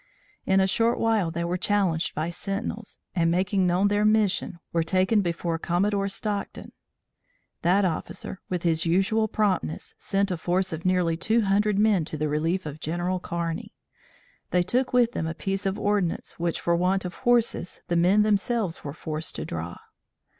In a short while they were challenged by sentinels, and making known their mission, were taken before Commodore Stockton. That officer, with his usual promptness, sent a force of nearly two hundred men to the relief of General Kearney. They took with them a piece of ordnance which for want of horses the men themselves were forced to draw.